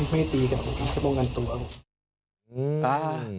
ไม่ตีกับป้องกันตัว